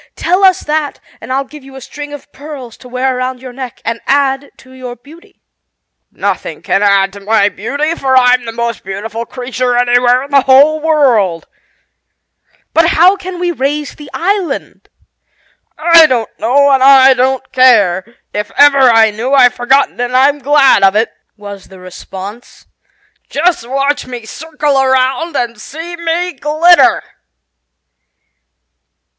Tell us that and I'll give you a string of pearls to wear around your neck and add to your beauty." "Nothing can add to my beauty, for I'm the most beautiful creature anywhere in the whole world." "But how can we raise the island?" "I don't know and I don't care. If ever I knew I've forgotten, and I'm glad of it," was the response. "Just watch me circle around and see me glitter!